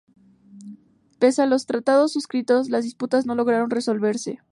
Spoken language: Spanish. Pese a los tratados suscritos, las disputas no lograron resolverse.